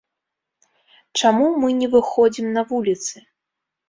Чаму мы не выходзім на вуліцы?